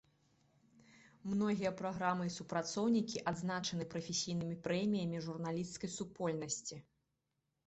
Многія праграмы і супрацоўнікі адзначаны прафесійнымі прэміямі журналісцкай супольнасці.